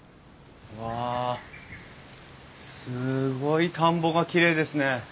わあすごい田んぼがきれいですね。